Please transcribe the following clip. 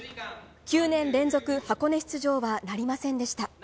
９年連続箱根出場はなりませんでした。